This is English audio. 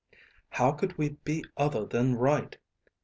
"How could we be other than right?